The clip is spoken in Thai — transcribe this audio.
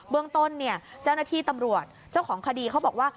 เมืองต้นเนี่ยเจ้าหน้าที่ตำรวจเจ้าของคดีเขาบอกว่า